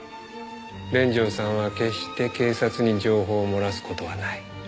連城さんは決して警察に情報を漏らす事はない。